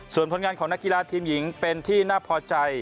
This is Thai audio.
ส่วนผลงานของนักกีฬาทีมหญิงเป็นที่น่าพอใจ